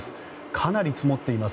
かなり積もっています。